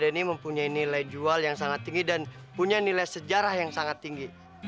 ini mempunyai nilai jual yang sangat tinggi dan punya nilai sejarah yang sangat tinggi